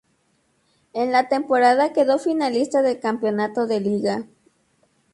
En la temporada quedó finalista del campeonato de liga.